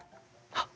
あっ！